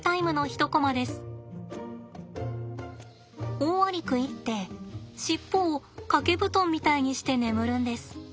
オオアリクイって尻尾を掛け布団みたいにして眠るんです。